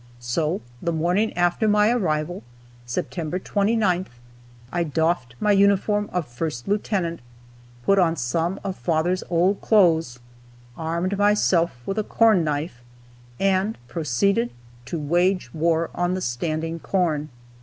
So, the morning after my arrival, September 29th, I doffed my uniform of first lieutenant, put on some of father's old clothes, armed myself with a corn knife, and proceeded to wage war on the standing corn.